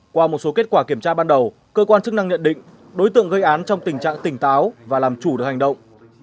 qua một số kết quả kiểm tra ban đầu cơ quan chức năng nhận định đối tượng gây án trong tình trạng tỉnh táo và làm chủ được hành động